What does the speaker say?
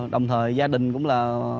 đồng thời gia đình cũng là